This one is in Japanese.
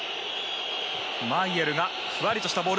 マイェルがふわりとしたボール。